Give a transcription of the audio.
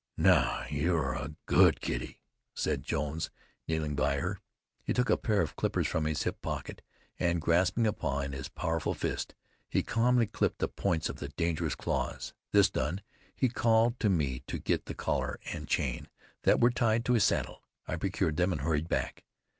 "Now you are a good Kitty," said Jones, kneeling by her. He took a pair of clippers from his hip pocket, and grasping a paw in his powerful fist he calmly clipped the points of the dangerous claws. This done, he called to me to get the collar and chain that were tied to his saddle. I procured them and hurried back.